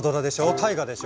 大河でしょ？